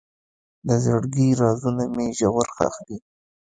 د زړګي رازونه مې ژور ښخ دي.